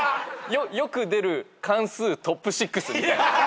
よく出る関数トップシックスみたいな。